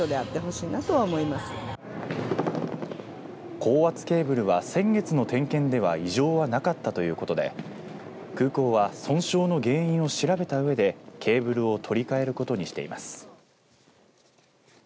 高圧ケーブルは先月の点検では異常はなかったということで空港は損傷の原因を調べたうえでケーブルを取り替えることにしています。